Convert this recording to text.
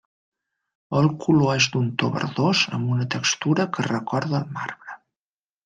El color és d'un to verdós amb una textura que recorda el marbre.